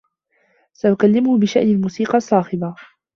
سأكلّمه بشأن الموسيقى الصّاخبة.